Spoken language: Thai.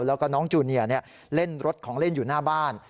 แล้วก็น้องจูเนียเล่นรถของเล่นอยู่หน้าบ้าน